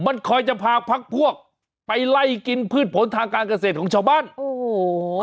มันคอยจะพาพักพวกไปไล่กินพืชผลทางการเกษตรของชาวบ้านโอ้โห